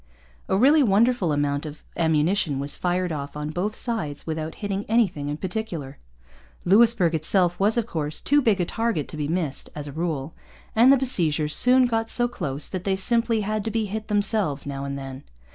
A really wonderful amount of ammunition was fired off on both sides without hitting anything in particular. Louisbourg itself was, of course, too big a target to be missed, as a rule; and the besiegers soon got so close that they simply had to be hit themselves now and then.